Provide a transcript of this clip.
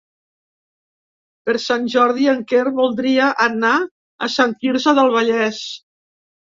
Per Sant Jordi en Quer voldria anar a Sant Quirze del Vallès.